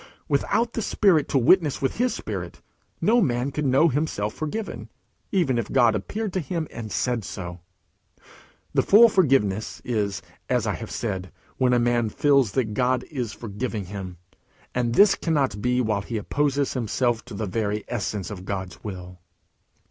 Without the Spirit to witness with his spirit, no man could know himself forgiven, even if God appeared to him and said so. The full forgiveness is, as I have said, when a man feels that God is forgiving him; and this cannot be while he opposes himself to the very essence of God's will.